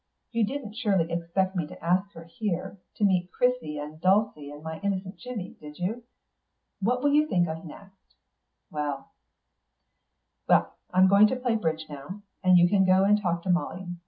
You didn't surely expect me to ask her here, to meet Chrissie and Dulcie and my innocent Jimmy, did you? What will you think of next? Well, well, I'm going to play bridge now, and you can go and talk to Molly.